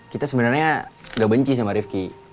kita sebenernya gak benci sama rifky